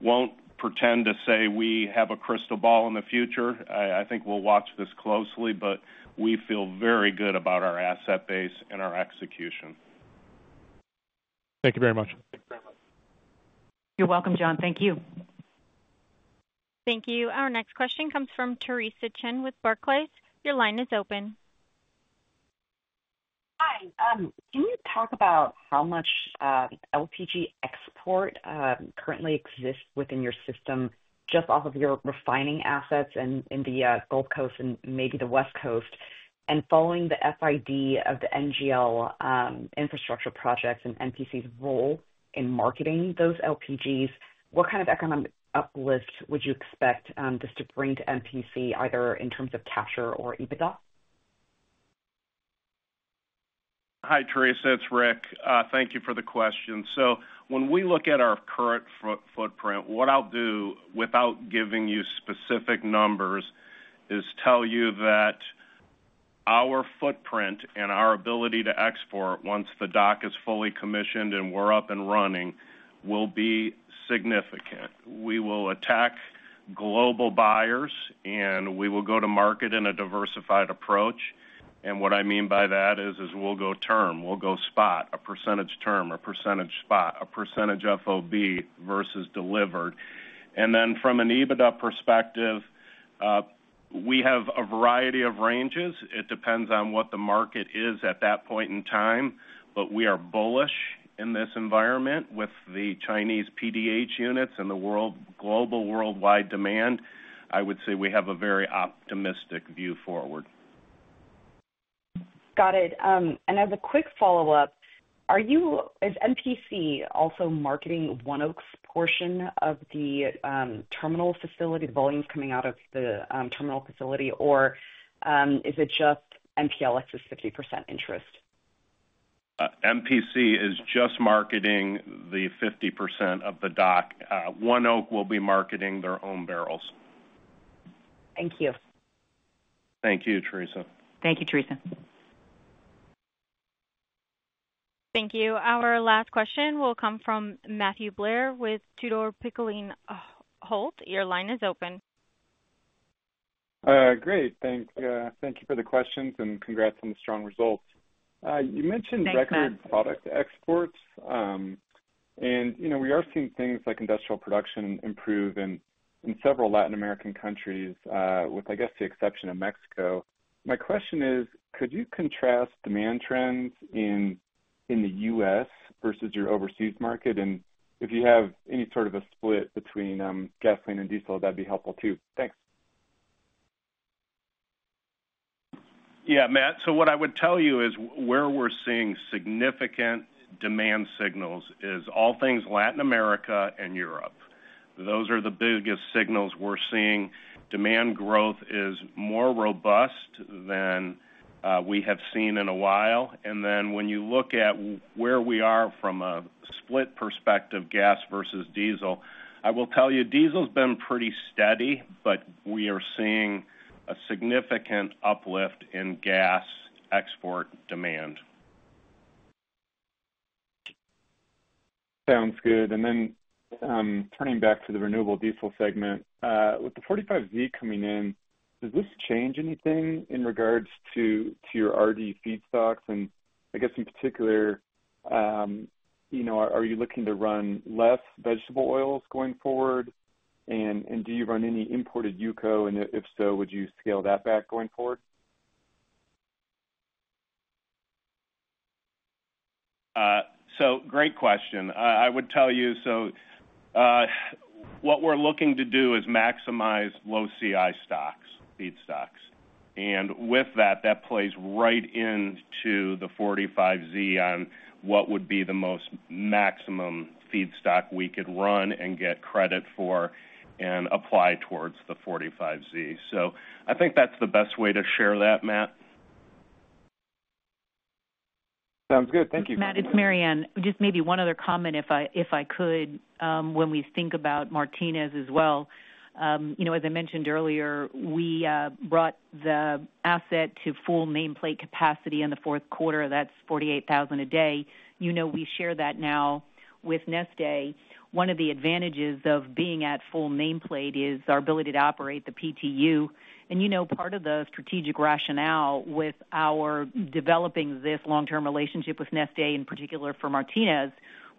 won't pretend to say we have a crystal ball in the future. I think we'll watch this closely, but we feel very good about our asset base and our execution. Thank you very much. Thank you very much. You're welcome, John. Thank you. Thank you. Our next question comes from Theresa Chen with Barclays. Your line is open. Hi. Can you talk about how much LPG export currently exists within your system just off of your refining assets in the Gulf Coast and maybe the West Coast? And following the FID of the NGL infrastructure projects and MPC's role in marketing those LPGs, what kind of economic uplift would you expect this to bring to MPC, either in terms of capture or EBITDA? Hi, Theresa. It's Rick. Thank you for the question. So, when we look at our current footprint, what I'll do without giving you specific numbers is tell you that our footprint and our ability to export once the dock is fully commissioned and we're up and running will be significant. We will attack global buyers, and we will go to market in a diversified approach. And what I mean by that is we'll go term, we'll go spot, a percentage term, a percentage spot, a percentage FOB versus delivered. And then from an EBITDA perspective, we have a variety of ranges. It depends on what the market is at that point in time. But we are bullish in this environment with the Chinese PDH units and the global worldwide demand. I would say we have a very optimistic view forward. Got it. And as a quick follow-up, is MPC also marketing ONEOK's portion of the terminal facility, the volumes coming out of the terminal facility, or is it just MPLX's 50% interest? MPC is just marketing the 50% of the dock. ONEOK will be marketing their own barrels. Thank you. Thank you, Theresa. Thank you. Our last question will come from Matthew Blair with Tudor, Pickering, Holt. Your line is open. Great. Thank you for the questions and congrats on the strong results. You mentioned record product exports, and we are seeing things like industrial production improve in several Latin American countries, with, I guess, the exception of Mexico. My question is, could you contrast demand trends in the U.S. versus your overseas market, and if you have any sort of a split between gasoline and diesel, that'd be helpful too. Thanks. Yeah, Matt. So, what I would tell you is where we're seeing significant demand signals is all things Latin America and Europe. Those are the biggest signals we're seeing. Demand growth is more robust than we have seen in a while. And then when you look at where we are from a split perspective, gas versus diesel, I will tell you diesel's been pretty steady, but we are seeing a significant uplift in gas export demand. Sounds good. And then turning back to the renewable diesel segment, with the 45Z coming in, does this change anything in regards to your RD feedstocks? And I guess in particular, are you looking to run less vegetable oils going forward? And do you run any imported UCO? And if so, would you scale that back going forward? So, great question. I would tell you, so what we're looking to do is maximize low CI stocks, feedstocks. And with that, that plays right into the 45Z on what would be the most maximum feedstock we could run and get credit for and apply towards the 45Z. So, I think that's the best way to share that, Matt. Sounds good. Thank you. Matt, it's Maryann. Just maybe one other comment, if I could, when we think about Martinez as well. As I mentioned earlier, we brought the asset to full nameplate capacity in the Q4. That's 48,000 a day. We share that now with Neste. One of the advantages of being at full nameplate is our ability to operate the PTU. And part of the strategic rationale with our developing this long-term relationship with Neste, in particular for Martinez,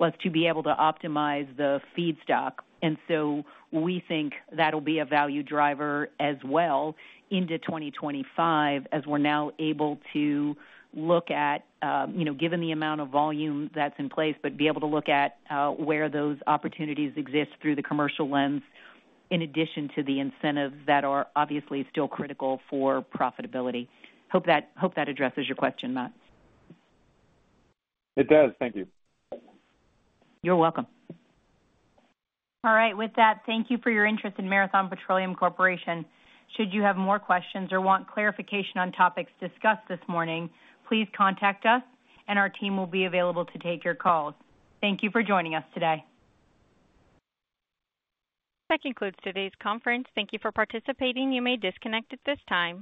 was to be able to optimize the feedstock. And so, we think that'll be a value driver as well into 2025, as we're now able to look at, given the amount of volume that's in place, but be able to look at where those opportunities exist through the commercial lens in addition to the incentives that are obviously still critical for profitability. Hope that addresses your question, Matt. It does. Thank you. You're welcome. All right. With that, thank you for your interest in Marathon Petroleum Corporation. Should you have more questions or want clarification on topics discussed this morning, please contact us, and our team will be available to take your calls. Thank you for joining us today. That concludes today's conference. Thank you for participating. You may disconnect at this time.